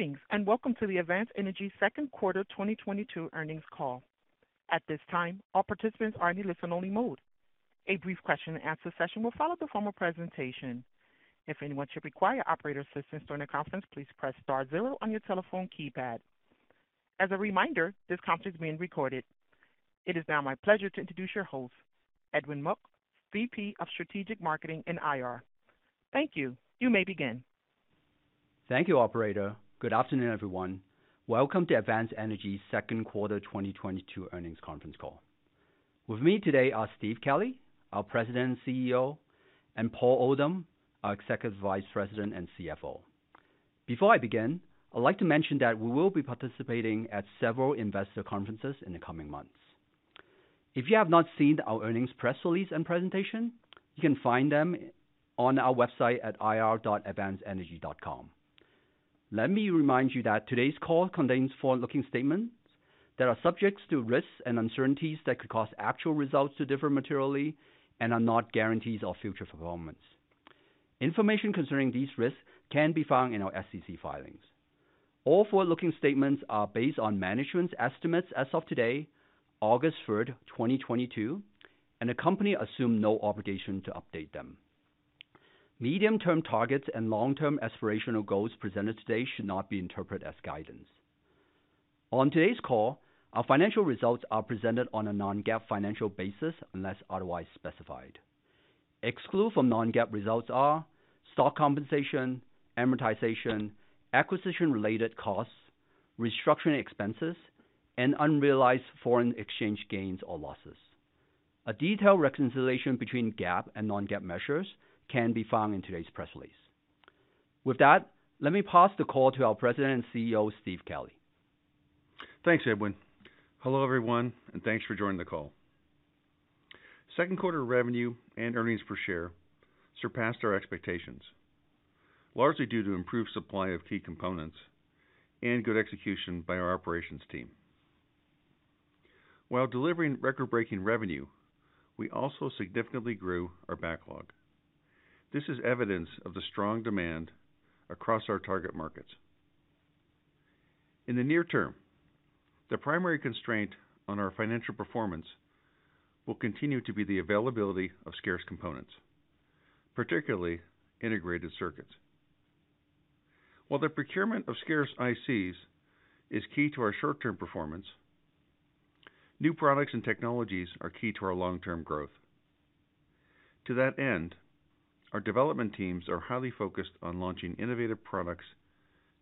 Greetings, and welcome to the Advanced Energy Second Quarter 2022 Earnings Call. At this time, all participants are in a listen-only mode. A brief question and answer session will follow the formal presentation. If anyone should require operator assistance during the conference, please press star zero on your telephone keypad. As a reminder, this conference is being recorded. It is now my pleasure to introduce your host, Edwin Mok, VP of Strategic Marketing and IR. Thank you. You may begin. Thank you, operator. Good afternoon, everyone. Welcome to Advanced Energy's Second Quarter 2022 Earnings Conference Call. With me today are Steve Kelley, our President and CEO, and Paul Oldham, our Executive Vice President and CFO. Before I begin, I'd like to mention that we will be participating at several investor conferences in the coming months. If you have not seen our earnings press release and presentation, you can find them on our website at ir.advancedenergy.com. Let me remind you that today's call contains forward-looking statements that are subject to risks and uncertainties that could cause actual results to differ materially and are not guarantees of future performance. Information concerning these risks can be found in our SEC filings. All forward-looking statements are based on management's estimates as of today, August 3, 2022, and the company assumes no obligation to update them. Medium-term targets and long-term aspirational goals presented today should not be interpreted as guidance. On today's call, our financial results are presented on a non-GAAP financial basis unless otherwise specified. Excluded from non-GAAP results are stock compensation, amortization, acquisition-related costs, restructuring expenses, and unrealized foreign exchange gains or losses. A detailed reconciliation between GAAP and non-GAAP measures can be found in today's press release. With that, let me pass the call to our President and CEO, Steve Kelley. Thanks, Edwin. Hello, everyone, and thanks for joining the call. Second quarter revenue and earnings per share surpassed our expectations, largely due to improved supply of key components and good execution by our operations team. While delivering record-breaking revenue, we also significantly grew our backlog. This is evidence of the strong demand across our target markets. In the near term, the primary constraint on our financial performance will continue to be the availability of scarce components, particularly integrated circuits. While the procurement of scarce ICs is key to our short-term performance, new products and technologies are key to our long-term growth. To that end, our development teams are highly focused on launching innovative products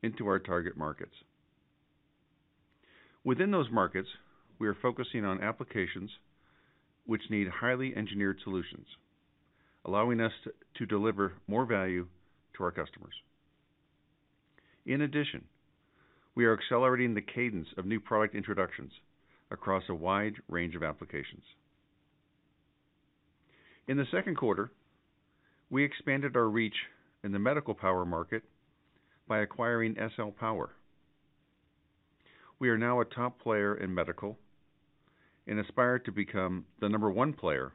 into our target markets. Within those markets, we are focusing on applications which need highly engineered solutions, allowing us to deliver more value to our customers. In addition, we are accelerating the cadence of new product introductions across a wide range of applications. In the second quarter, we expanded our reach in the medical power market by acquiring SL Power. We are now a top player in medical and aspire to become the number one player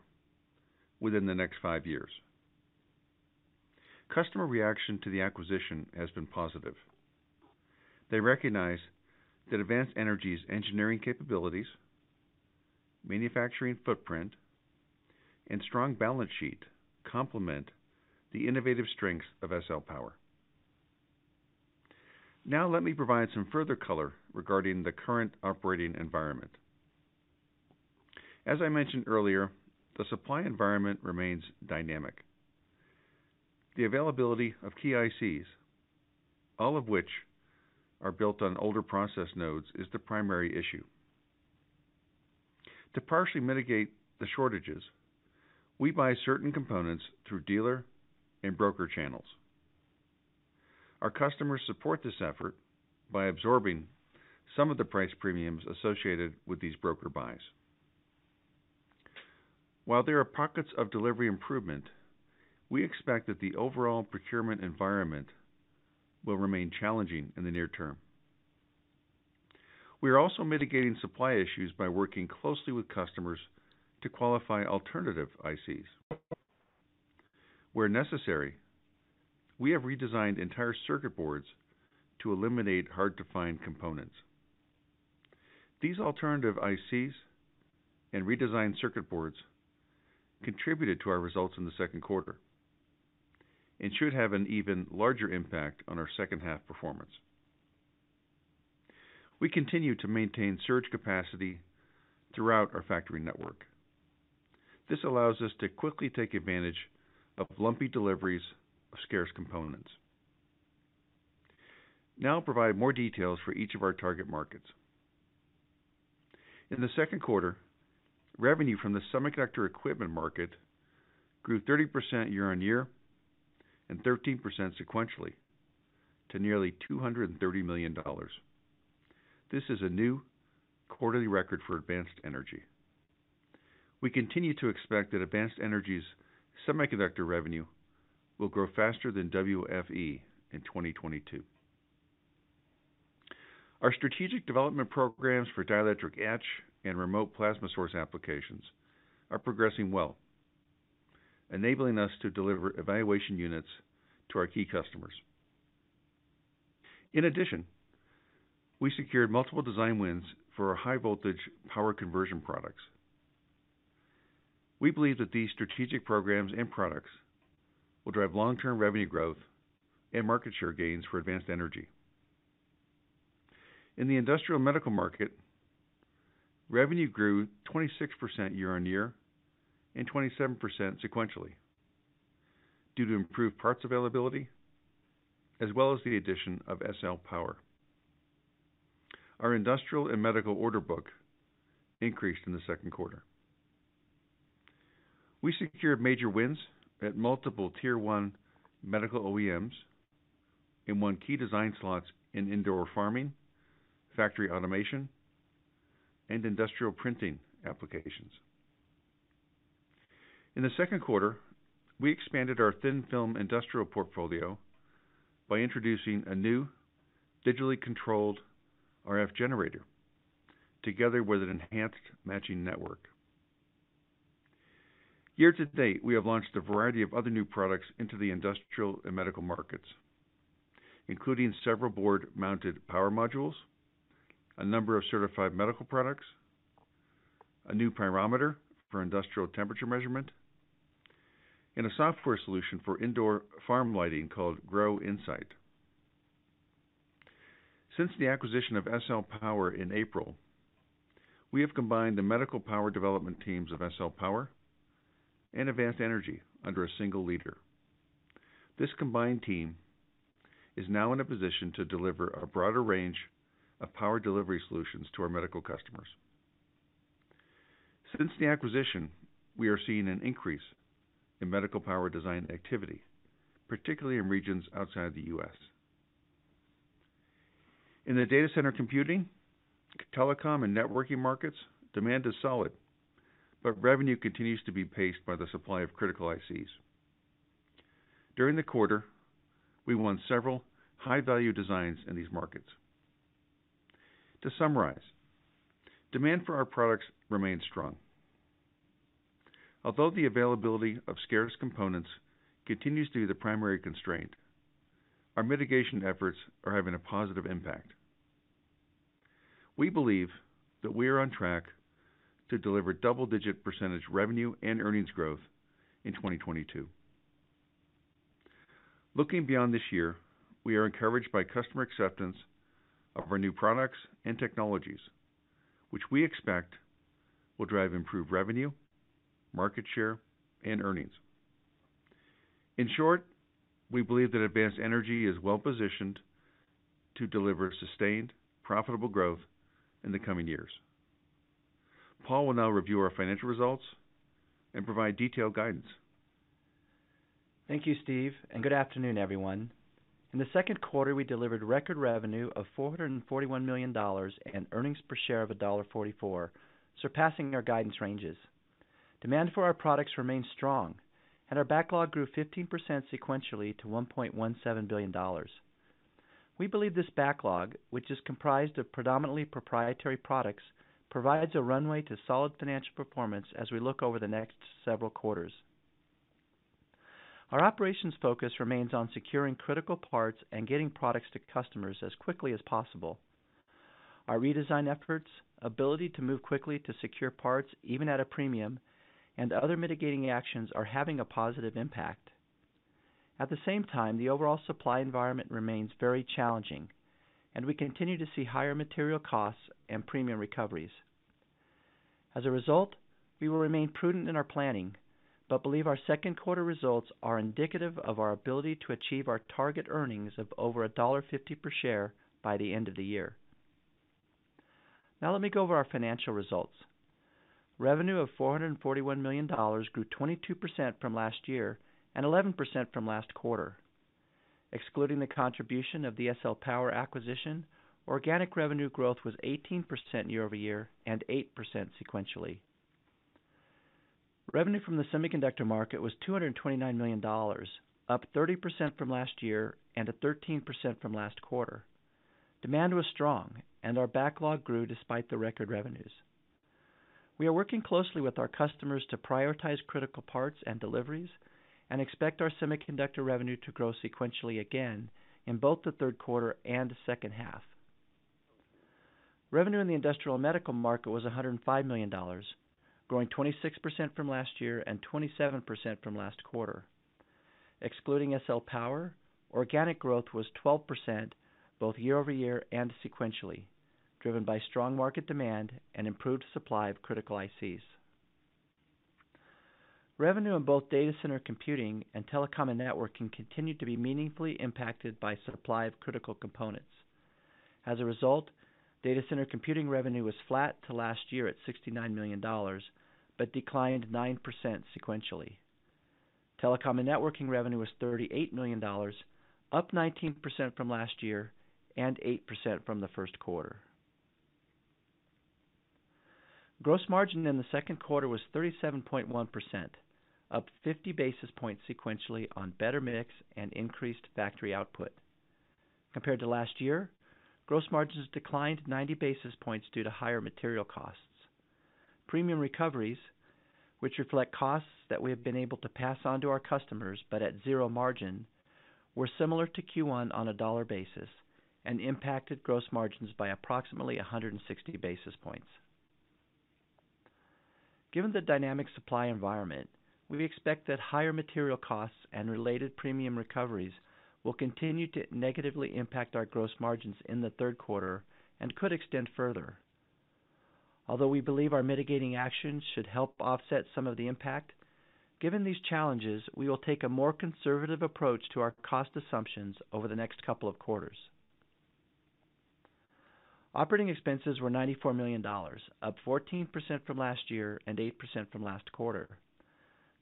within the next five years. Customer reaction to the acquisition has been positive. They recognize that Advanced Energy's engineering capabilities, manufacturing footprint, and strong balance sheet complement the innovative strengths of SL Power. Now let me provide some further color regarding the current operating environment. As I mentioned earlier, the supply environment remains dynamic. The availability of key ICs, all of which are built on older process nodes, is the primary issue. To partially mitigate the shortages, we buy certain components through dealer and broker channels. Our customers support this effort by absorbing some of the price premiums associated with these broker buys. While there are pockets of delivery improvement, we expect that the overall procurement environment will remain challenging in the near term. We are also mitigating supply issues by working closely with customers to qualify alternative ICs. Where necessary, we have redesigned entire circuit boards to eliminate hard-to-find components. These alternative ICs and redesigned circuit boards contributed to our results in the second quarter and should have an even larger impact on our second half performance. We continue to maintain surge capacity throughout our factory network. This allows us to quickly take advantage of lumpy deliveries of scarce components. Now I'll provide more details for each of our target markets. In the second quarter, revenue from the semiconductor equipment market grew 30% year-on-year and 13% sequentially to nearly $230 million. This is a new quarterly record for Advanced Energy. We continue to expect that Advanced Energy's semiconductor revenue will grow faster than WFE in 2022. Our strategic development programs for dielectric etch and remote plasma source applications are progressing well. Enabling us to deliver evaluation units to our key customers. In addition, we secured multiple design wins for our high voltage power conversion products. We believe that these strategic programs and products will drive long-term revenue growth and market share gains for Advanced Energy. In the industrial medical market, revenue grew 26% year-on-year and 27% sequentially due to improved parts availability as well as the addition of SL Power. Our industrial and medical order book increased in the second quarter. We secured major wins at multiple tier one medical OEMs and won key design slots in indoor farming, factory automation, and industrial printing applications. In the second quarter, we expanded our thin-film industrial portfolio by introducing a new digitally controlled RF generator together with an enhanced matching network. Year to date, we have launched a variety of other new products into the industrial and medical markets, including several board-mounted power modules, a number of certified medical products, a new pyrometer for industrial temperature measurement, and a software solution for indoor farm lighting called Grownsight. Since the acquisition of SL Power in April, we have combined the medical power development teams of SL Power and Advanced Energy under a single leader. This combined team is now in a position to deliver a broader range of power delivery solutions to our medical customers. Since the acquisition, we are seeing an increase in medical power design activity, particularly in regions outside the U.S. In the data center computing, telecom, and networking markets, demand is solid, but revenue continues to be paced by the supply of critical ICs. During the quarter, we won several high-value designs in these markets. To summarize, demand for our products remains strong. Although the availability of scarce components continues to be the primary constraint, our mitigation efforts are having a positive impact. We believe that we are on track to deliver double-digit % revenue and earnings growth in 2022. Looking beyond this year, we are encouraged by customer acceptance of our new products and technologies, which we expect will drive improved revenue, market share, and earnings. In short, we believe that Advanced Energy is well positioned to deliver sustained, profitable growth in the coming years. Paul will now review our financial results and provide detailed guidance. Thank you, Steve, and good afternoon, everyone. In the second quarter, we delivered record revenue of $441 million and earnings per share of $1.44, surpassing our guidance ranges. Demand for our products remains strong and our backlog grew 15% sequentially to $1.17 billion. We believe this backlog, which is comprised of predominantly proprietary products, provides a runway to solid financial performance as we look over the next several quarters. Our operations focus remains on securing critical parts and getting products to customers as quickly as possible. Our redesign efforts, ability to move quickly to secure parts even at a premium, and other mitigating actions are having a positive impact. At the same time, the overall supply environment remains very challenging and we continue to see higher material costs and premium recoveries. As a result, we will remain prudent in our planning, but believe our second quarter results are indicative of our ability to achieve our target earnings of over $1.50 per share by the end of the year. Now let me go over our financial results. Revenue of $441 million grew 22% from last year and 11% from last quarter. Excluding the contribution of the SL Power acquisition, organic revenue growth was 18% year-over-year and 8% sequentially. Revenue from the semiconductor market was $229 million, up 30% from last year and up 13% from last quarter. Demand was strong and our backlog grew despite the record revenues. We are working closely with our customers to prioritize critical parts and deliveries and expect our semiconductor revenue to grow sequentially again in both the third quarter and the second half. Revenue in the industrial medical market was $105 million, growing 26% from last year and 27% from last quarter. Excluding SL Power, organic growth was 12% both year-over-year and sequentially, driven by strong market demand and improved supply of critical ICs. Revenue in both data center computing and telecom and networking continued to be meaningfully impacted by supply of critical components. As a result, data center computing revenue was flat to last year at $69 million, but declined 9% sequentially. Telecom and networking revenue was $38 million, up 19% from last year and 8% from the first quarter. Gross margin in the second quarter was 37.1%, up 50 basis points sequentially on better mix and increased factory output. Compared to last year, gross margins declined 90 basis points due to higher material costs. Premium recoveries, which reflect costs that we have been able to pass on to our customers but at zero margin, were similar to Q1 on a dollar basis and impacted gross margins by approximately 160 basis points. Given the dynamic supply environment, we expect that higher material costs and related premium recoveries will continue to negatively impact our gross margins in the third quarter and could extend further. Although we believe our mitigating actions should help offset some of the impact, given these challenges, we will take a more conservative approach to our cost assumptions over the next couple of quarters. Operating expenses were $94 million, up 14% from last year and 8% from last quarter.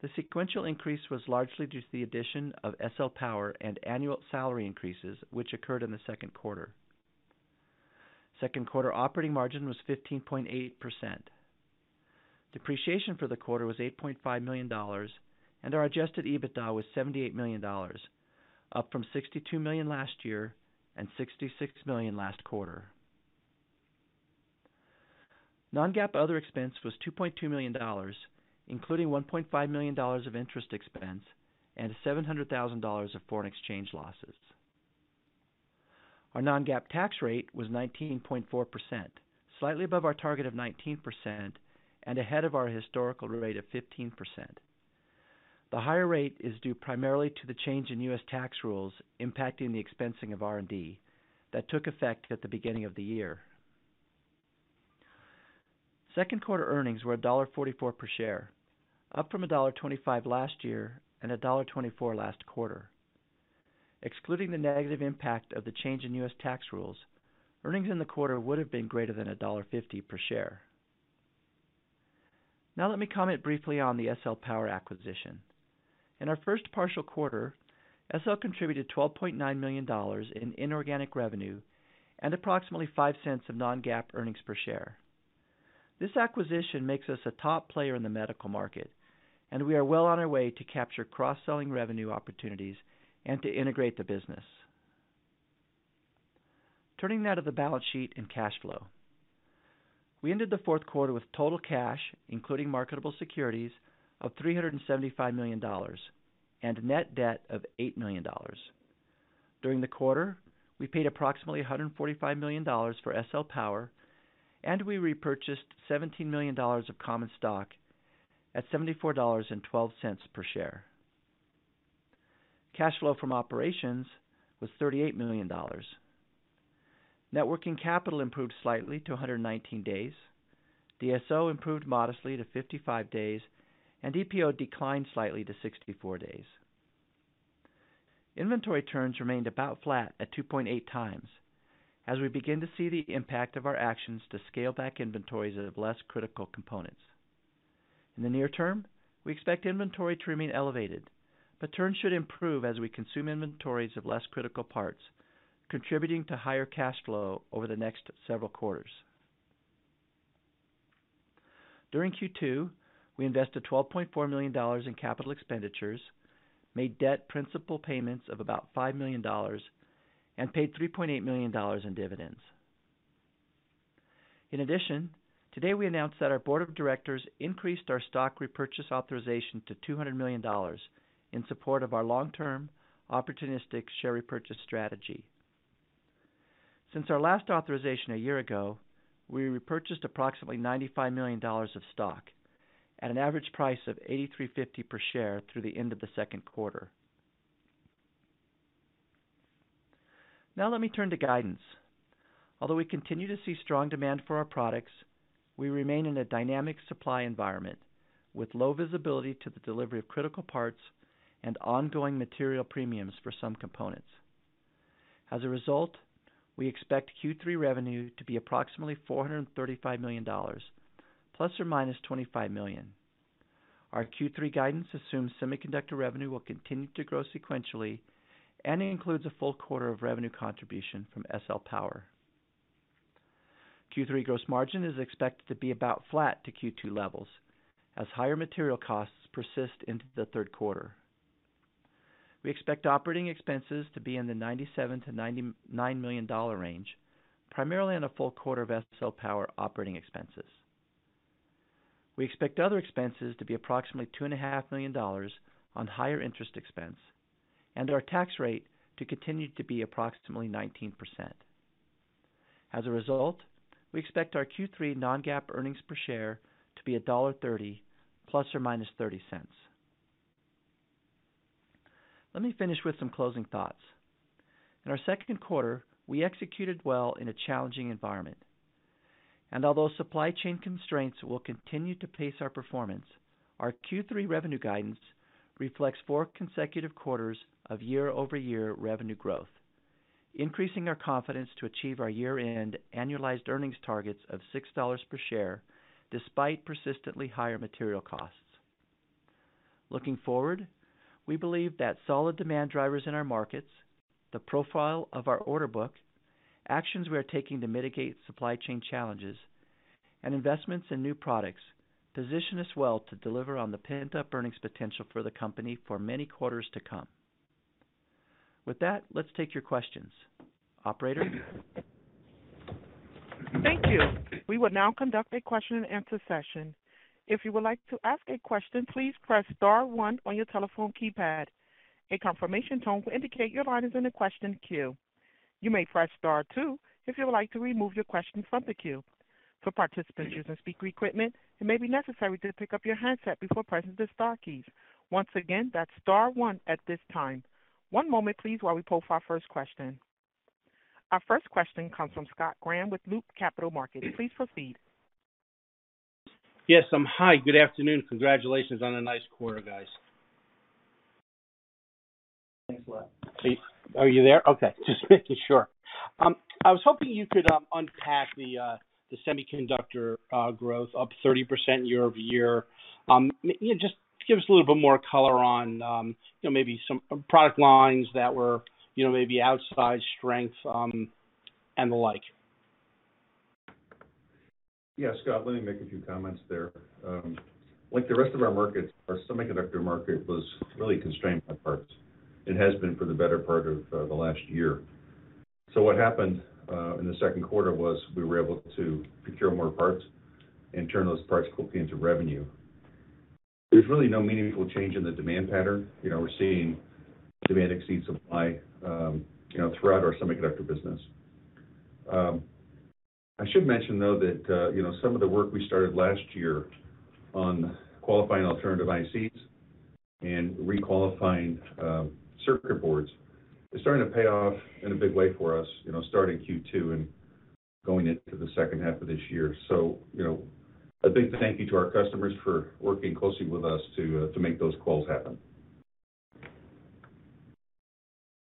The sequential increase was largely due to the addition of SL Power and annual salary increases, which occurred in the second quarter. Second quarter operating margin was 15.8%. Depreciation for the quarter was $8.5 million, and our adjusted EBITDA was $78 million, up from $62 million last year and $66 million last quarter. Non-GAAP other expense was $2.2 million, including $1.5 million of interest expense and $700,000 of foreign exchange losses. Our non-GAAP tax rate was 19.4%, slightly above our target of 19% and ahead of our historical rate of 15%. The higher rate is due primarily to the change in U.S. tax rules impacting the expensing of R&D that took effect at the beginning of the year. Second quarter earnings were $1.44 per share, up from $1.25 last year and $1.24 last quarter. Excluding the negative impact of the change in U.S. tax rules, earnings in the quarter would have been greater than $1.50 per share. Now let me comment briefly on the SL Power acquisition. In our first partial quarter, SL Power contributed $12.9 million in inorganic revenue and approximately $0.05 of non-GAAP earnings per share. This acquisition makes us a top player in the medical market, and we are well on our way to capture cross-selling revenue opportunities and to integrate the business. Turning now to the balance sheet and cash flow. We ended the fourth quarter with total cash, including marketable securities, of $375 million and net debt of $8 million. During the quarter, we paid approximately $145 million for SL Power, and we repurchased $17 million of common stock at $74.12 per share. Cash flow from operations was $38 million. Working capital improved slightly to 119 days. DSO improved modestly to 55 days, and DPO declined slightly to 64 days. Inventory turns remained about flat at 2.8 times as we begin to see the impact of our actions to scale back inventories of less critical components. In the near term, we expect inventory to remain elevated, but turns should improve as we consume inventories of less critical parts, contributing to higher cash flow over the next several quarters. During Q2, we invested $12.4 million in capital expenditures, made debt principal payments of about $5 million, and paid $3.8 million in dividends. In addition, today we announced that our board of directors increased our stock repurchase authorization to $200 million in support of our long-term opportunistic share repurchase strategy. Since our last authorization a year ago, we repurchased approximately $95 million of stock at an average price of $83.50 per share through the end of the second quarter. Now let me turn to guidance. Although we continue to see strong demand for our products, we remain in a dynamic supply environment with low visibility to the delivery of critical parts and ongoing material premiums for some components. As a result, we expect Q3 revenue to be approximately $435 million ± $25 million. Our Q3 guidance assumes semiconductor revenue will continue to grow sequentially and includes a full quarter of revenue contribution from SL Power. Q3 gross margin is expected to be about flat to Q2 levels as higher material costs persist into the third quarter. We expect operating expenses to be in the $97 million-$99 million range, primarily on a full quarter of SL Power operating expenses. We expect other expenses to be approximately $2.5 million on higher interest expense and our tax rate to continue to be approximately 19%. As a result, we expect our Q3 non-GAAP earnings per share to be $1.30 ± $0.30. Let me finish with some closing thoughts. In our second quarter, we executed well in a challenging environment. Although supply chain constraints will continue to pace our performance, our Q3 revenue guidance reflects four consecutive quarters of year-over-year revenue growth, increasing our confidence to achieve our year-end annualized earnings targets of $6 per share despite persistently higher material costs. Looking forward, we believe that solid demand drivers in our markets, the profile of our order book, actions we are taking to mitigate supply chain challenges Investments in new products position us well to deliver on the pent-up earnings potential for the company for many quarters to come. With that, let's take your questions. Operator? Thank you. We will now conduct a question-and-answer session. If you would like to ask a question, please press star one on your telephone keypad. A confirmation tone will indicate your line is in the question queue. You may press star two if you would like to remove your question from the queue. For participants using speaker equipment, it may be necessary to pick up your handset before pressing the star keys. Once again, that's star one at this time. One moment, please, while we poll for our first question. Our first question comes from Scott Graham with Loop Capital Markets. Please proceed. Yes, hi. Good afternoon. Congratulations on a nice quarter, guys. Thanks a lot. Are you there? Okay. Just making sure. I was hoping you could unpack the semiconductor growth up 30% year-over-year. Just give us a little bit more color on, you know, maybe some product lines that were, you know, maybe outsized strengths, and the like. Yeah, Scott, let me make a few comments there. Like the rest of our markets, our semiconductor market was really constrained by parts. It has been for the better part of the last year. What happened in the second quarter was we were able to procure more parts and turn those parts quickly into revenue. There's really no meaningful change in the demand pattern. You know, we're seeing demand exceed supply, you know, throughout our semiconductor business. I should mention, though, that you know, some of the work we started last year on qualifying alternative ICs and re-qualifying circuit boards is starting to pay off in a big way for us, you know, starting Q2 and going into the second half of this year. you know, a big thank you to our customers for working closely with us to make those calls happen.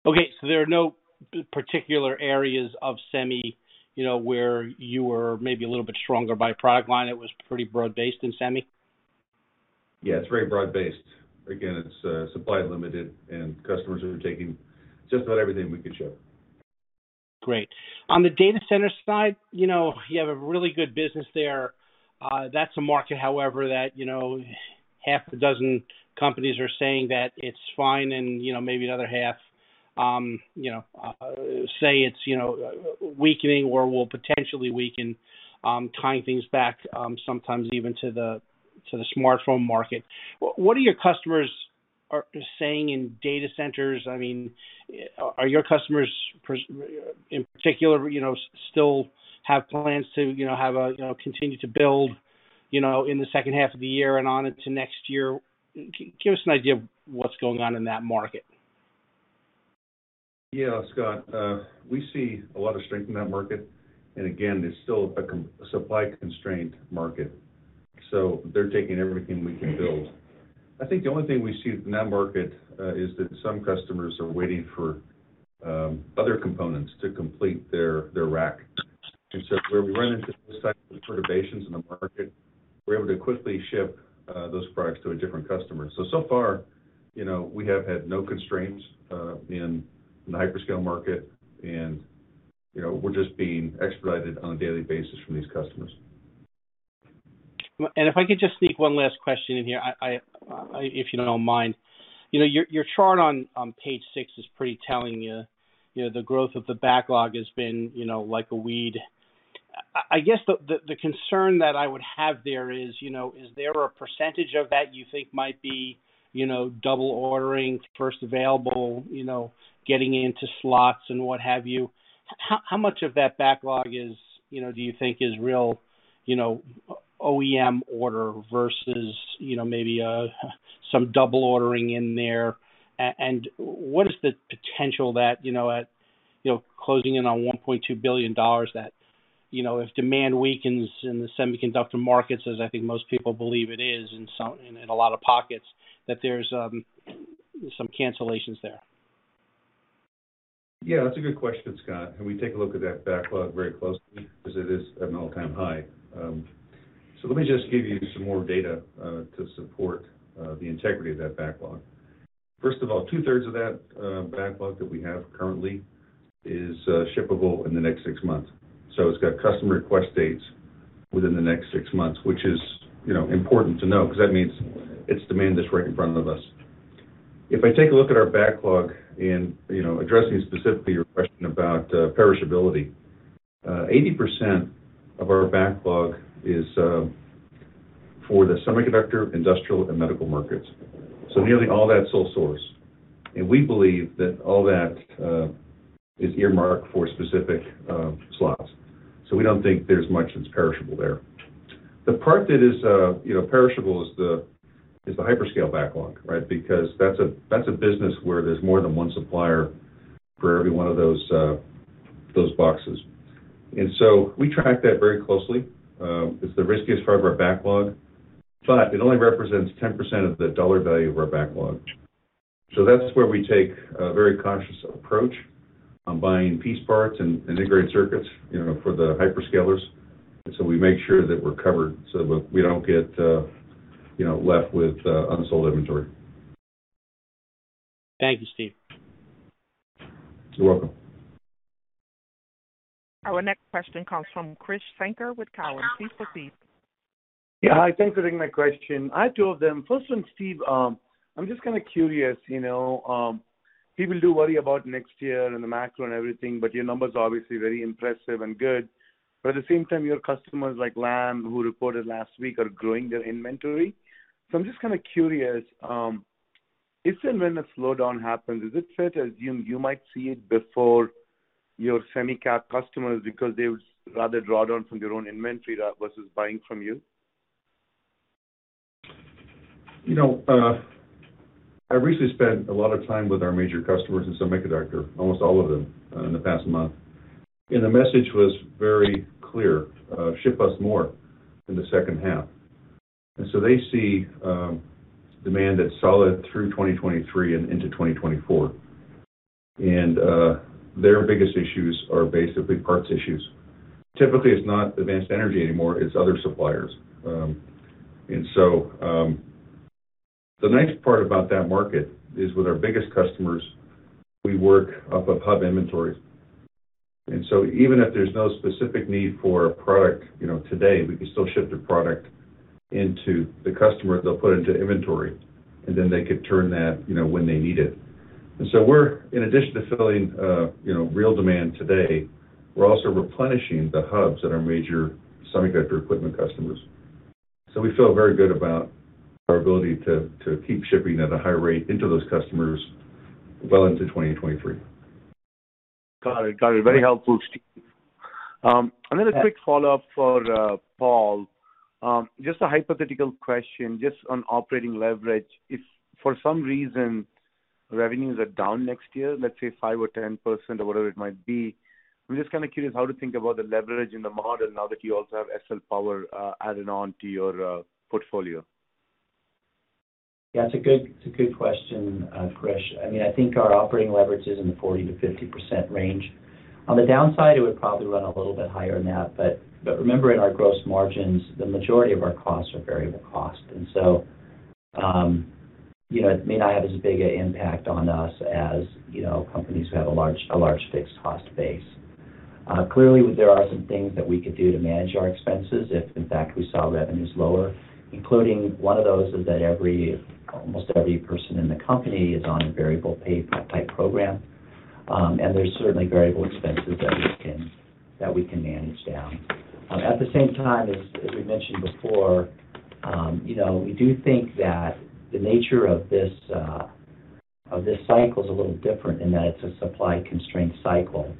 Okay, there are no particular areas of semi, you know, where you were maybe a little bit stronger by product line. It was pretty broad-based in semi? Yeah, it's very broad-based. Again, it's supply limited, and customers are taking just about everything we can ship. Great. On the data center side, you know, you have a really good business there. That's a market, however, that, you know, half a dozen companies are saying that it's fine, and, you know, maybe the other half, you know, say it's, you know, weakening or will potentially weaken, tying things back, sometimes even to the smartphone market. What are your customers saying in data centers? I mean, are your customers in particular, you know, still have plans to, you know, you know, continue to build, you know, in the second half of the year and on into next year? Give us an idea of what's going on in that market. Yeah, Scott. We see a lot of strength in that market. Again, it's still a supply-constrained market, so they're taking everything we can build. I think the only thing we see from that market is that some customers are waiting for other components to complete their rack. Where we run into cycles of perturbations in the market, we're able to quickly ship those products to a different customer. So far, you know, we have had no constraints in the hyperscale market, and, you know, we're just being expedited on a daily basis from these customers. If I could just sneak one last question in here, if you don't mind. You know, your chart on page six is pretty telling, you know, the growth of the backlog has been, you know, like a weed. I guess the concern that I would have there is, you know, is there a percentage of that you think might be, you know, double ordering, first available, you know, getting into slots and what have you? How much of that backlog is, you know, do you think is real, you know, OEM order versus, you know, maybe some double ordering in there? What is the potential that, you know, at, you know, closing in on $1.2 billion that, you know, if demand weakens in the semiconductor markets, as I think most people believe it is in some, in a lot of pockets, that there's some cancellations there? Yeah, that's a good question, Scott, and we take a look at that backlog very closely because it is at an all-time high. So let me just give you some more data to support the integrity of that backlog. First of all, two-thirds of that backlog that we have currently is shippable in the next six months. So it's got customer request dates within the next six months, which is, you know, important to know because that means it's demand that's right in front of us. If I take a look at our backlog and, you know, addressing specifically your question about perishability, eighty percent of our backlog is for the semiconductor, industrial, and medical markets. So nearly all that's sole source. We believe that all that is earmarked for specific slots. We don't think there's much that's perishable there. The part that is, you know, perishable is the hyperscale backlog, right? Because that's a business where there's more than one supplier for every one of those boxes. We track that very closely, 'cause the riskiest part of our backlog. It only represents 10% of the dollar value of our backlog. That's where we take a very conscious approach on buying piece parts and integrated circuits, you know, for the hyperscalers. We make sure that we're covered so that we don't get, you know, left with unsold inventory. Thank you, Steve. You're welcome. Our next question comes from Krish Sankar with Cowen. Please proceed. Yeah. Hi, thanks for taking my question. I have two of them. First one, Steve, I'm just kinda curious, you know, people do worry about next year and the macro and everything, but your numbers are obviously very impressive and good. At the same time, your customers, like Lam Research, who reported last week, are growing their inventory. I'm just kinda curious, if and when a slowdown happens, is it fair to assume you might see it before your semi cap customers because they would rather draw down from their own inventory versus buying from you? You know, I recently spent a lot of time with our major customers in semiconductor, almost all of them, in the past month, and the message was very clear: Ship us more in the second half. They see demand that's solid through 2023 and into 2024. Their biggest issues are basically parts issues. Typically, it's not Advanced Energy anymore, it's other suppliers. The nice part about that market is with our biggest customers, we work off of hub inventory. Even if there's no specific need for a product, you know, today, we can still ship the product into the customer, they'll put into inventory, and then they could turn that, you know, when they need it. We're in addition to filling real demand today, we're also replenishing the hubs at our major semiconductor equipment customers. We feel very good about our ability to keep shipping at a high rate into those customers well into 2023. Got it. Very helpful, Steve. Another quick follow-up for Paul. Just a hypothetical question, just on operating leverage. If for some reason revenues are down next year, let's say 5% or 10% or whatever it might be, I'm just kinda curious how to think about the leverage in the model now that you also have SL Power added on to your portfolio. It's a good question, Krish. I mean, I think our operating leverage is in the 40%-50% range. On the downside, it would probably run a little bit higher than that. But remember, in our gross margins, the majority of our costs are variable costs. You know, it may not have as big an impact on us as you know, companies who have a large fixed cost base. Clearly, there are some things that we could do to manage our expenses if in fact we saw revenues lower, including one of those is that almost every person in the company is on a variable pay type program. There's certainly variable expenses that we can manage down. At the same time, as we mentioned before, you know, we do think that the nature of this cycle is a little different in that it's a supply constraint cycle.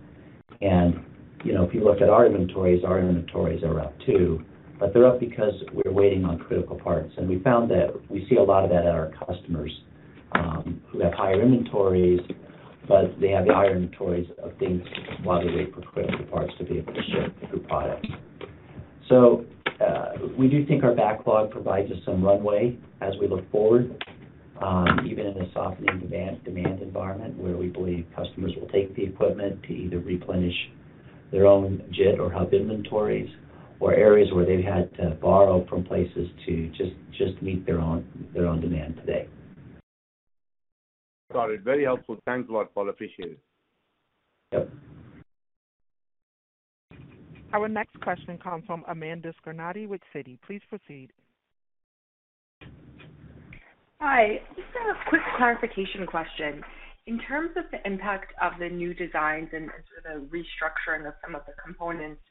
You know, if you looked at our inventories, our inventories are up too, but they're up because we're waiting on critical parts. We found that we see a lot of that at our customers, who have higher inventories, but they have the higher inventories of things while they wait for critical parts to be able to ship through product. We do think our backlog provides us some runway as we look forward, even in a softening demand environment where we believe customers will take the equipment to either replenish their own JIT or hub inventories or areas where they've had to borrow from places to just meet their own demand today. Got it. Very helpful. Thanks a lot, Paul. Appreciate it. Yep. Our next question comes from Amanda Scarnati with Citi. Please proceed. Hi. Just a quick clarification question. In terms of the impact of the new designs and sort of the restructuring of some of the components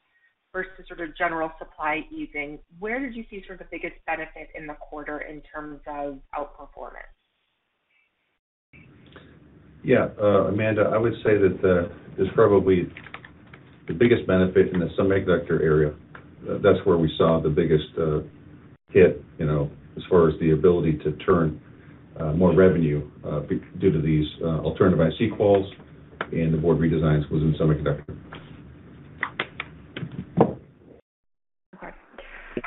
versus sort of general supply easing, where did you see sort of the biggest benefit in the quarter in terms of outperformance? Yeah. Amanda Scarnati, I would say that there's probably the biggest benefit in the semiconductor area. That's where we saw the biggest hit, you know, as far as the ability to turn more revenue due to these alternative IC quals and the board redesigns was in semiconductor.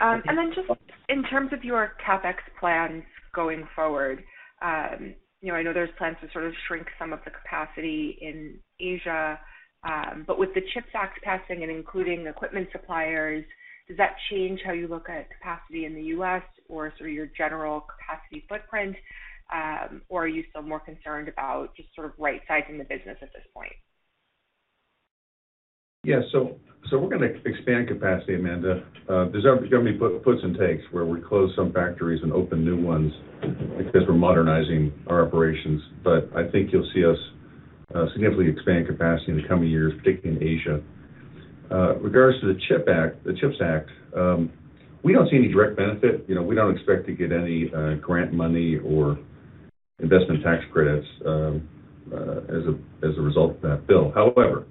Okay. Just in terms of your CapEx plans going forward, you know, I know there's plans to sort of shrink some of the capacity in Asia, but with the CHIPS Act passing and including equipment suppliers, does that change how you look at capacity in the U.S. or sort of your general capacity footprint? Or are you still more concerned about just sort of right-sizing the business at this point? Yeah. We're gonna expand capacity, Amanda. There's gonna be puts and takes where we close some factories and open new ones because we're modernizing our operations. I think you'll see us significantly expand capacity in the coming years, particularly in Asia. Regardless of the CHIPS Act, we don't see any direct benefit. You know, we don't expect to get any grant money or investment tax credits as a result of that bill. However,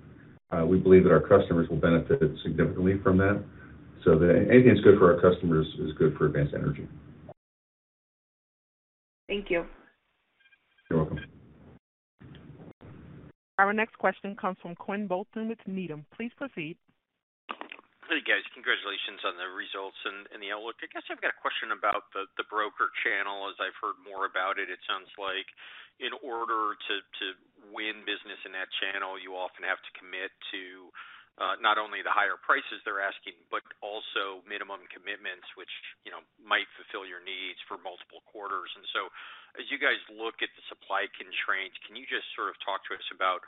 we believe that our customers will benefit significantly from that. Anything that's good for our customers is good for Advanced Energy. Thank you. You're welcome. Our next question comes from Quinn Bolton with Needham. Please proceed. Hey, guys. Congratulations on the results and the outlook. I guess I've got a question about the broker channel. As I've heard more about it sounds like in order to You often have to commit to not only the higher prices they're asking, but also minimum commitments, which, you know, might fulfill your needs for multiple quarters. As you guys look at the supply constraints, can you just sort of talk to us about,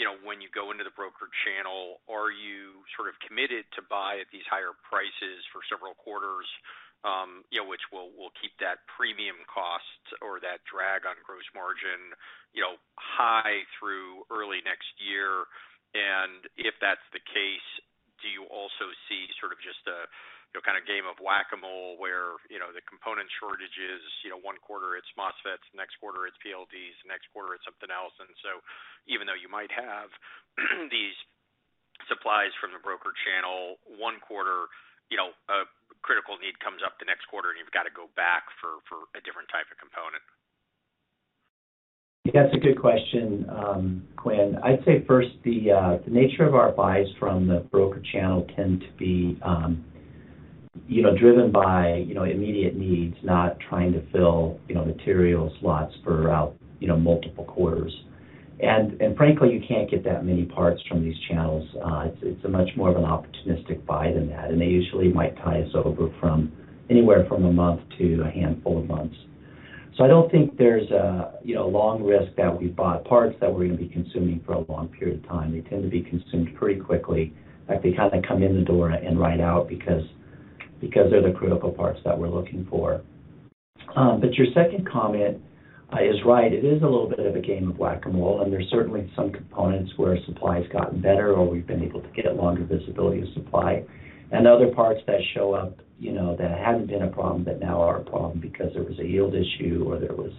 you know, when you go into the broker channel, are you sort of committed to buy at these higher prices for several quarters, you know, which will keep that premium cost or that drag on gross margin, you know, high through early next year? If that's the case, do you also see sort of just a, you know, kind of game of Whac-A-Mole where, you know, the component shortages, you know, one quarter it's MOSFETs, next quarter it's PLDs, next quarter it's something else. Even though you might have these supplies from the broker channel one quarter, you know, a critical need comes up the next quarter, and you've got to go back for a different type of component. That's a good question, Quinn. I'd say first the nature of our buys from the broker channel tend to be, you know, driven by, you know, immediate needs, not trying to fill, you know, material slots for out, you know, multiple quarters. Frankly, you can't get that many parts from these channels. It's much more of an opportunistic buy than that. They usually might tie us over from anywhere from a month to a handful of months. I don't think there's a long risk that we've bought parts that we're going to be consuming for a long period of time. They tend to be consumed pretty quickly, like they kind of come in the door and right out because they're the critical parts that we're looking for. Your second comment is right. It is a little bit of a game of Whack-A-Mole, and there's certainly some components where supply has gotten better or we've been able to get a longer visibility of supply, and other parts that show up, you know, that hadn't been a problem, but now are a problem because there was a yield issue or there was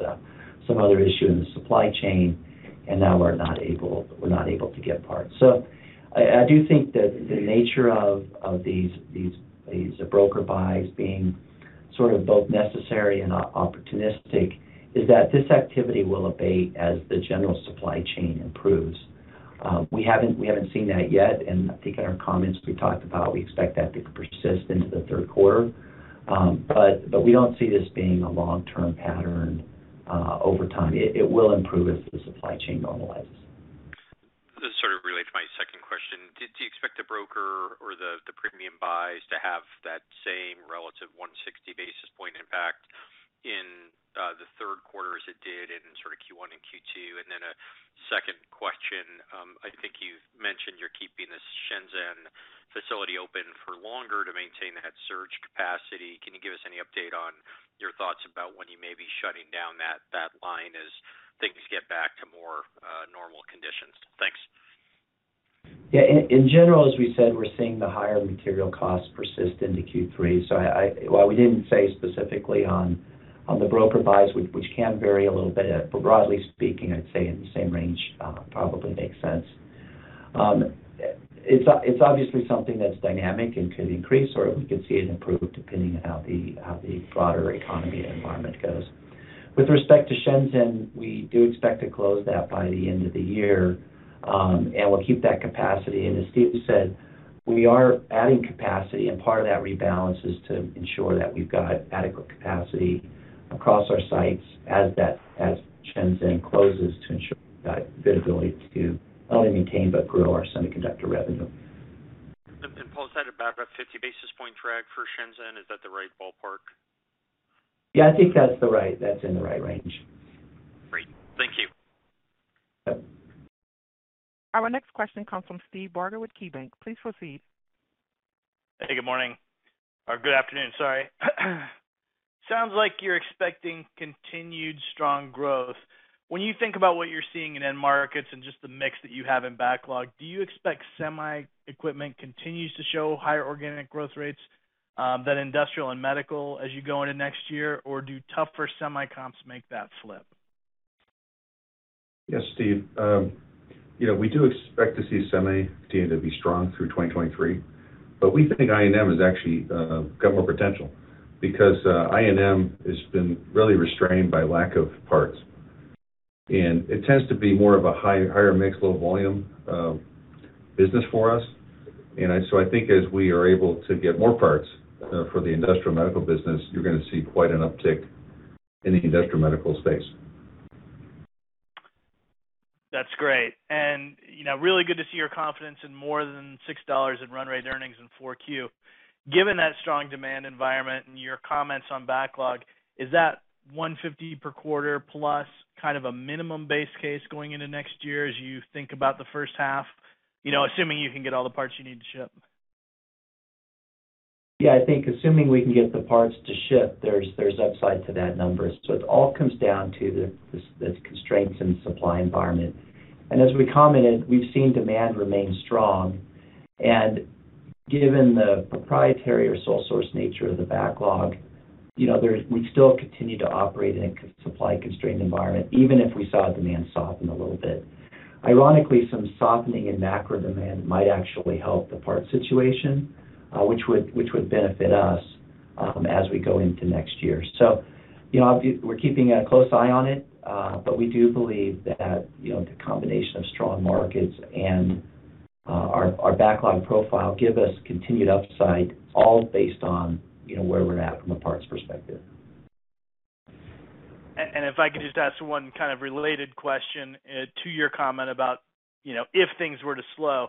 some other issue in the supply chain, and now we're not able to get parts. I do think that the nature of these broker buys being sort of both necessary and opportunistic is that this activity will abate as the general supply chain improves. We haven't seen that yet, and I think in our comments, we talked about we expect that to persist into the third quarter. We don't see this being a long-term pattern over time. It will improve as the supply chain normalizes. This sort of relates to my second question. Do you expect the broader or the premium buys to have that same relative 160 basis point impact in the third quarter as it did in sort of Q1 and Q2? Then a second question. I think you've mentioned you're keeping the Shenzhen facility open for longer to maintain that surge capacity. Can you give us any update on your thoughts about when you may be shutting down that line as things get back to more normal conditions? Thanks. Yeah. In general, as we said, we're seeing the higher material costs persist into Q3. While we didn't say specifically on the broker buys, which can vary a little bit, but broadly speaking, I'd say in the same range, probably makes sense. It's obviously something that's dynamic and could increase, or we could see it improve depending on how the broader economy and environment goes. With respect to Shenzhen, we do expect to close that by the end of the year, and we'll keep that capacity. As Steve said, we are adding capacity, and part of that rebalance is to ensure that we've got adequate capacity across our sites as Shenzhen closes to ensure that visibility to not only maintain but grow our semiconductor revenue. Paul, is that about a 50 basis point drag for Shenzhen? Is that the right ballpark? Yeah, I think that's in the right range. Great. Thank you. Yep. Our next question comes from Steve Barger with KeyBanc Capital Markets. Please proceed. Hey, good morning. Or good afternoon, sorry. Sounds like you're expecting continued strong growth. When you think about what you're seeing in end markets and just the mix that you have in backlog, do you expect semi equipment continues to show higher organic growth rates than industrial and medical as you go into next year? Or do tougher semi comps make that flip? Yes, Steve. You know, we do expect to see semi continue to be strong through 2023, but we think I&M has actually got more potential because I&M has been really restrained by lack of parts, and it tends to be more of a higher mix, low volume business for us. I think as we are able to get more parts for the industrial medical business, you're gonna see quite an uptick in the industrial medical space. That's great. You know, really good to see your confidence in more than $6 in run rate earnings in 4Q. Given that strong demand environment and your comments on backlog, is that $1.50 per quarter plus kind of a minimum base case going into next year as you think about the first half? You know, assuming you can get all the parts you need to ship. Yeah. I think assuming we can get the parts to ship, there's upside to that number. It all comes down to these constraints in the supply environment. As we commented, we've seen demand remain strong. Given the proprietary or sole source nature of the backlog, you know, we still continue to operate in a supply constrained environment, even if we saw demand soften a little bit. Ironically, some softening in macro demand might actually help the part situation, which would benefit us, as we go into next year. You know, we're keeping a close eye on it, but we do believe that, you know, the combination of strong markets and our backlog profile give us continued upside, all based on, you know, where we're at from a parts perspective. If I could just ask one kind of related question to your comment about, you know, if things were to slow.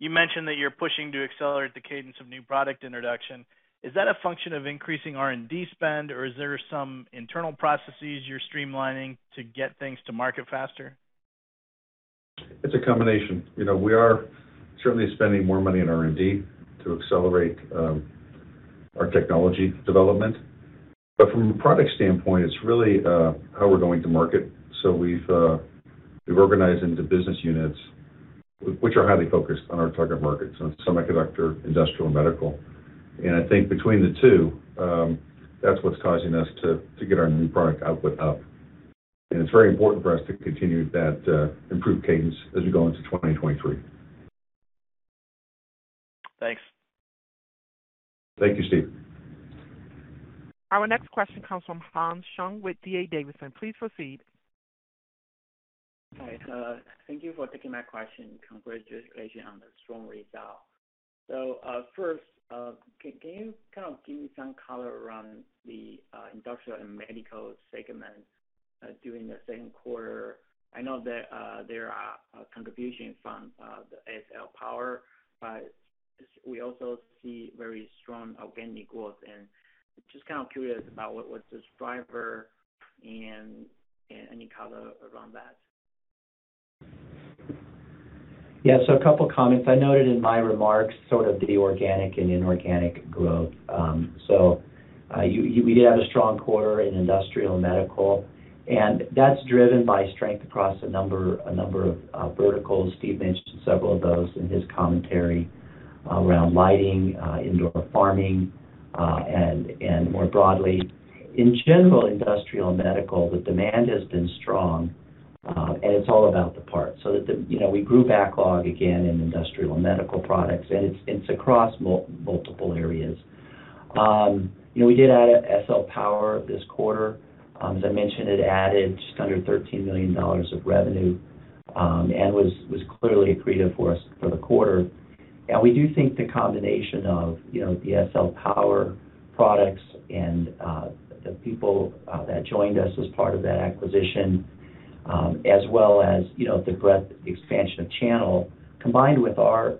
You mentioned that you're pushing to accelerate the cadence of new product introduction. Is that a function of increasing R&D spend, or is there some internal processes you're streamlining to get things to market faster? It's a combination. You know, we are certainly spending more money in R&D to accelerate our technology development. From a product standpoint, it's really how we're going to market. We've organized into business units which are highly focused on our target markets, on semiconductor, industrial, and medical. I think between the two, that's what's causing us to get our new product output up. It's very important for us to continue that improved cadence as we go into 2023. Thanks. Thank you, Steve. Our next question comes from Han Sheng with D.A. Davidson. Please proceed. Hi. Thank you for taking my question. Congratulations on the strong result. First, can you kind of give me some color around the industrial and medical segment during the second quarter? I know that there are contribution from the SL Power, but we also see very strong organic growth. Just kind of curious about what was the driver and any color around that. Yeah. A couple of comments. I noted in my remarks sort of the organic and inorganic growth. We did have a strong quarter in industrial and medical, and that's driven by strength across a number of verticals. Steve mentioned several of those in his commentary around lighting, indoor farming, and more broadly. In general, industrial and medical, the demand has been strong, and it's all about the parts. You know, we grew backlog again in industrial and medical products, and it's across multiple areas. You know, we did add SL Power this quarter. As I mentioned, it added just under $13 million of revenue, and was clearly accretive for us for the quarter. We do think the combination of, you know, the SL Power products and, the people that joined us as part of that acquisition, as well as, you know, the breadth, the expansion of channel combined with our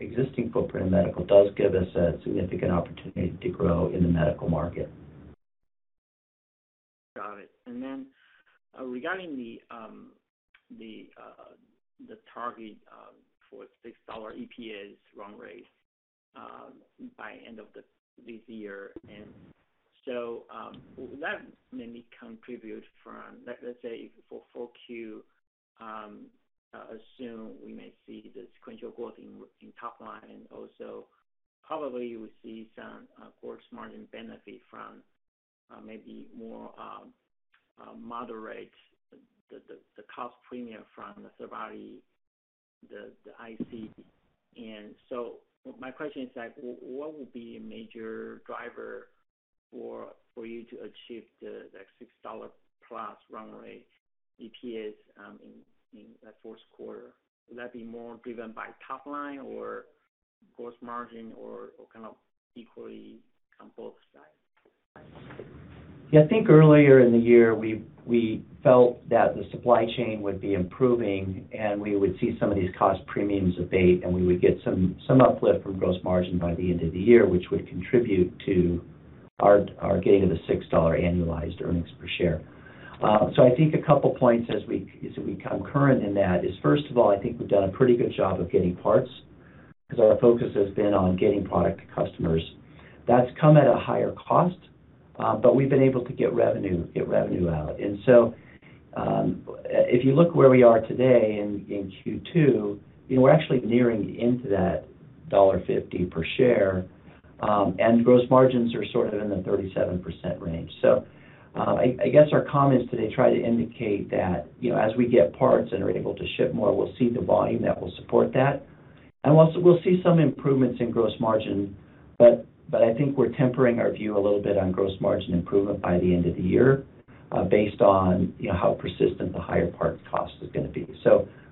existing footprint in medical, does give us a significant opportunity to grow in the medical market. Got it. Then, regarding the target for $6 EPS run rate by end of this year. That maybe contribute from, let's say, for Q4, assume we may see the sequential growth in top line, and also probably we see some gross margin benefit from maybe more moderate the cost premium from the scarcity, the IC. My question is that what would be a major driver for you to achieve the $6 plus run rate EPS in the fourth quarter? Would that be more driven by top line or gross margin or kind of equally on both sides? Yeah. I think earlier in the year, we felt that the supply chain would be improving, and we would see some of these cost premiums abate, and we would get some uplift from gross margin by the end of the year, which would contribute to our getting to the $6 annualized earnings per share. I think a couple of points as we come current in that is, first of all, I think we've done a pretty good job of getting parts because our focus has been on getting product to customers. That's come at a higher cost, but we've been able to get revenue out. If you look where we are today in Q2, you know, we're actually nearing into that $1.50 per share, and gross margins are sort of in the 37% range. I guess our comments today try to indicate that, you know, as we get parts and are able to ship more, we'll see the volume that will support that. We'll see some improvements in gross margin, but I think we're tempering our view a little bit on gross margin improvement by the end of the year, based on how persistent the higher parts cost is gonna be.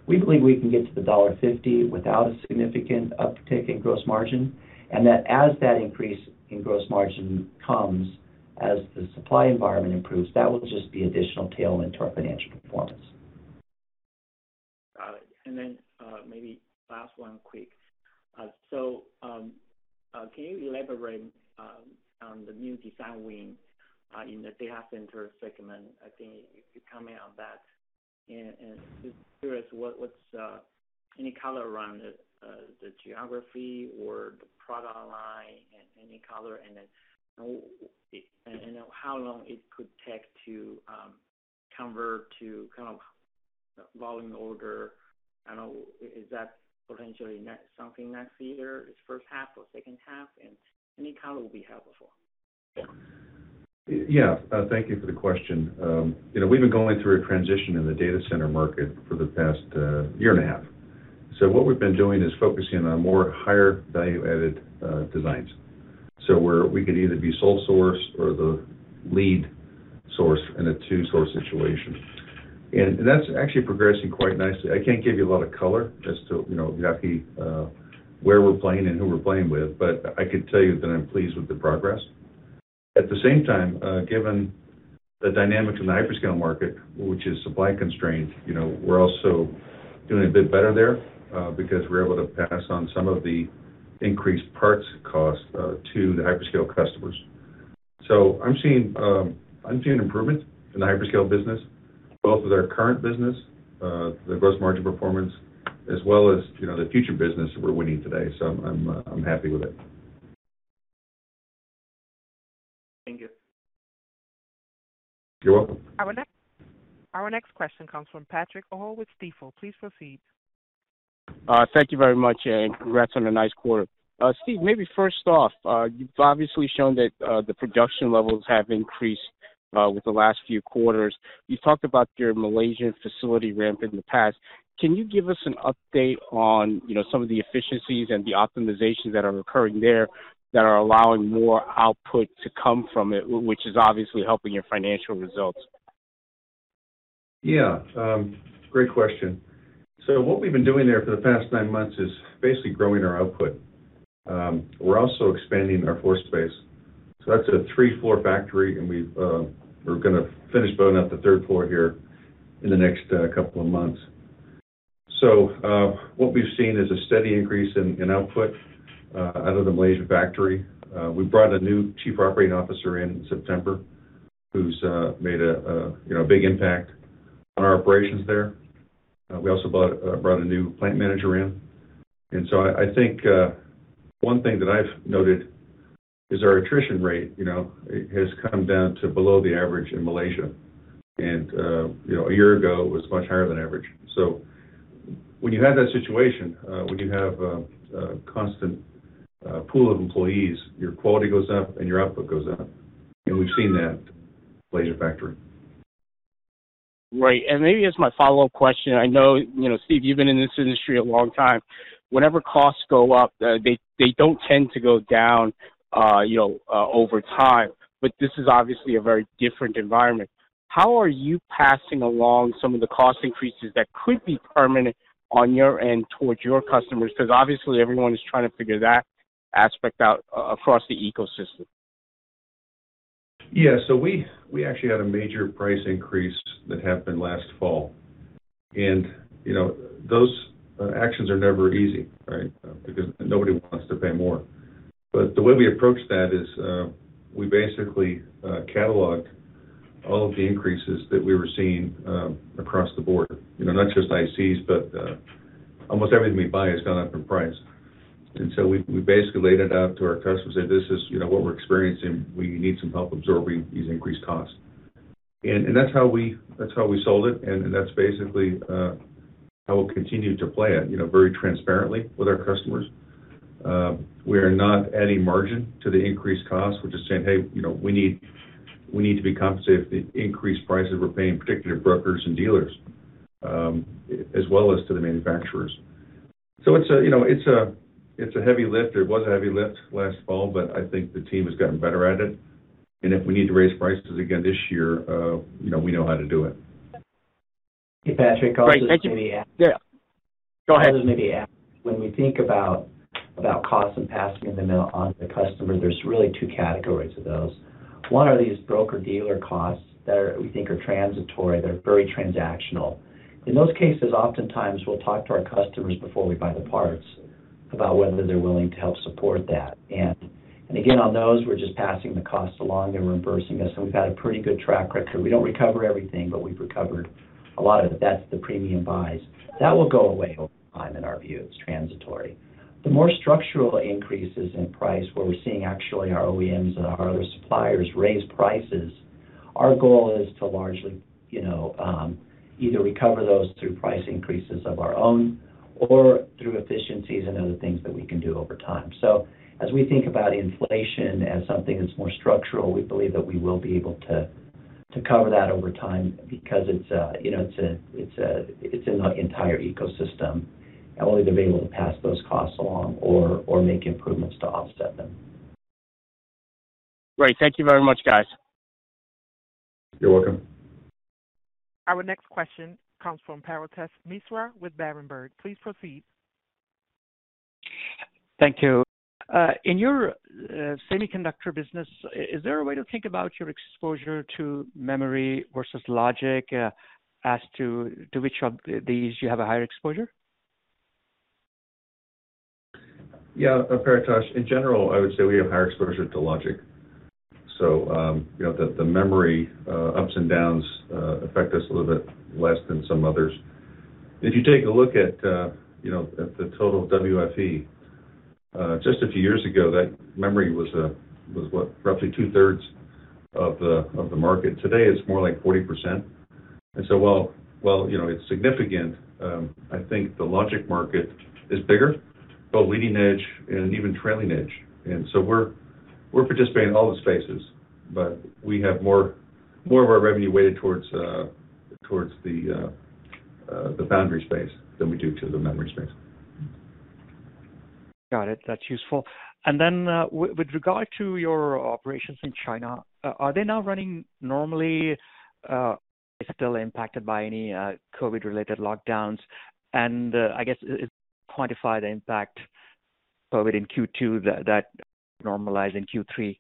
We believe we can get to the $1.50 without a significant uptick in gross margin. That, as the increase in gross margin comes, as the supply environment improves, that will just be additional tailwind to our financial performance. Got it. Maybe last one quick. Can you elaborate on the new design wins in the data center segment? I think you comment on that. Just curious, what's any color around the geography or the product line and any color and then how long it could take to convert to kind of volume order? I know, is that potentially something next year, its first half or second half? Any color would be helpful. Yeah. Thank you for the question. You know, we've been going through a transition in the data center market for the past year and a half. What we've been doing is focusing on more higher value-added designs. Where we could either be sole source or the lead source in a two-source situation. That's actually progressing quite nicely. I can't give you a lot of color as to, you know, exactly where we're playing and who we're playing with, but I can tell you that I'm pleased with the progress. At the same time, given the dynamics in the hyperscale market, which is supply constrained, you know, we're also doing a bit better there because we're able to pass on some of the increased parts cost to the hyperscale customers. I'm seeing improvement in the hyperscale business, both with our current business, the gross margin performance, as well as, you know, the future business we're winning today. I'm happy with it. Thank you. You're welcome. Our next question comes from Patrick Ho with Stifel. Please proceed. Thank you very much, and congrats on a nice quarter. Steve, maybe first off, you've obviously shown that the production levels have increased with the last few quarters. You talked about your Malaysian facility ramp in the past. Can you give us an update on, you know, some of the efficiencies and the optimizations that are occurring there that are allowing more output to come from it, which is obviously helping your financial results? Yeah. Great question. What we've been doing there for the past nine months is basically growing our output. We're also expanding our floor space. That's a three-floor factory, and we're gonna finish building out the third floor here in the next couple of months. What we've seen is a steady increase in output out of the Malaysian factory. We brought a new chief operating officer in September, who's made a you know a big impact on our operations there. We also brought a new plant manager in. I think one thing that I've noted is our attrition rate, you know, has come down to below the average in Malaysia. You know, a year ago, it was much higher than average. When you have that situation, a constant pool of employees, your quality goes up and your output goes up. We've seen that in the Malaysian factory. Right. Maybe as my follow-up question, I know, you know, Steve, you've been in this industry a long time. Whenever costs go up, they don't tend to go down, you know, over time, but this is obviously a very different environment. How are you passing along some of the cost increases that could be permanent on your end towards your customers? Because obviously everyone is trying to figure that aspect out across the ecosystem? Yeah. We actually had a major price increase that happened last fall. You know, those actions are never easy, right? Because nobody wants to pay more. The way we approached that is, we basically cataloged all of the increases that we were seeing across the board. You know, not just ICs, but almost everything we buy has gone up in price. We basically laid it out to our customers, said, "This is, you know, what we're experiencing. We need some help absorbing these increased costs." That's how we sold it, and that's basically how we'll continue to play it, you know, very transparently with our customers. We are not adding margin to the increased cost. We're just saying, "Hey, you know, we need to be compensated for the increased prices we're paying, particularly to brokers and dealers, as well as to the manufacturers." So it's a heavy lift, you know. It was a heavy lift last fall, but I think the team has gotten better at it. If we need to raise prices again this year, you know, we know how to do it. Hey, Patrick, this is Paul Oldham. Great. Thank you. Yeah. Go ahead. This is Paul Oldham. When we think about costs and passing them now on to the customer, there's really two categories of those. One are these broker-dealer costs that are we think are transitory, they're very transactional. In those cases, oftentimes we'll talk to our customers before we buy the parts about whether they're willing to help support that. Again, on those, we're just passing the cost along, they're reimbursing us, and we've had a pretty good track record. We don't recover everything, but we've recovered a lot of it. That's the premium buys. That will go away over time in our view. It's transitory. The more structural increases in price where we're seeing actually our OEMs and our other suppliers raise prices, our goal is to largely, you know, either recover those through price increases of our own or through efficiencies and other things that we can do over time. As we think about inflation as something that's more structural, we believe that we will be able to to cover that over time because it's, you know, it's a, it's in the entire ecosystem, and we'll either be able to pass those costs along or make improvements to offset them. Great. Thank you very much, guys. You're welcome. Our next question comes from Paretosh Misra with Berenberg. Please proceed. Thank you. In your semiconductor business, is there a way to think about your exposure to memory versus logic, as to which of these you have a higher exposure? Yeah, Paretosh. In general, I would say we have higher exposure to logic. You know, the memory ups and downs affect us a little bit less than some others. If you take a look, you know, at the total WFE just a few years ago, that memory was what? Roughly two-thirds of the market. Today, it's more like 40%. While you know, it's significant, I think the logic market is bigger, both leading edge and even trailing edge. We're participating in all the spaces, but we have more of our revenue weighted towards the foundry space than we do to the memory space. Got it. That's useful. With regard to your operations in China, are they now running normally, still impacted by any COVID-related lockdowns? I guess quantify the impact of COVID in Q2 that normalized in Q3.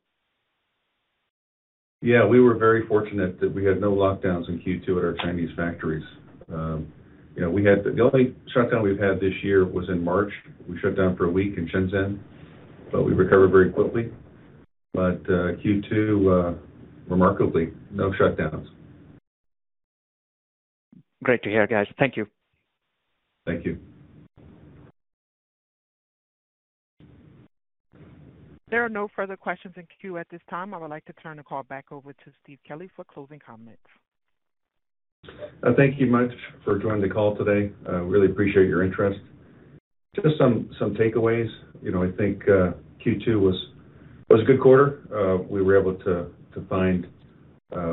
Yeah. We were very fortunate that we had no lockdowns in Q2 at our Chinese factories. You know, the only shutdown we've had this year was in March. We shut down for a week in Shenzhen, but we recovered very quickly. Q2, remarkably, no shutdowns. Great to hear, guys. Thank you. Thank you. There are no further questions in queue at this time. I would like to turn the call back over to Steve Kelley for closing comments. Thank you much for joining the call today. Really appreciate your interest. Just some takeaways. You know, I think Q2 was a good quarter. We were able to find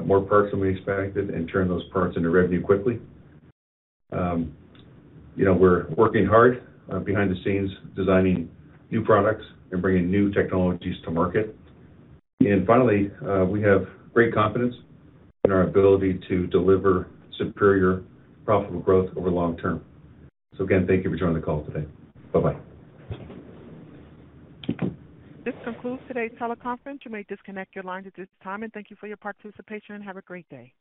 more parts than we expected and turn those parts into revenue quickly. You know, we're working hard behind the scenes, designing new products and bringing new technologies to market. Finally, we have great confidence in our ability to deliver superior profitable growth over long term. Again, thank you for joining the call today. Bye-bye. This concludes today's teleconference. You may disconnect your lines at this time. Thank you for your participation, and have a great day.